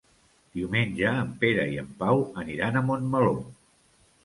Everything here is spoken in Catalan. Diumenge en Pere i en Pau aniran a Montmeló.